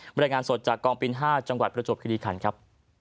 บรรยายงานสดจากกองบิน๕จังหวัดประจวบคิริขันครับ